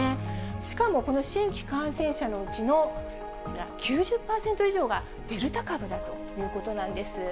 しかもこの新規感染者のうちのこちら、９０％以上がデルタ株だということなんです。